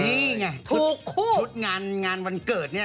นี่ไงชุดงานวันเกิดเนี่ย